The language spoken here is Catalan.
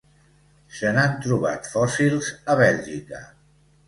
Se n'han trobat fòssils a Bèlgica.